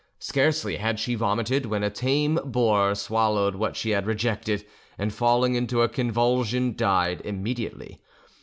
Scarcely had she vomited when a tame boar swallowed what she had rejected, and falling into a convulsion, died immediately.